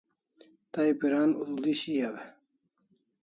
Tay piran udul'i shiaw e?